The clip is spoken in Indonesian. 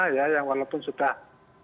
yang walaupun sudah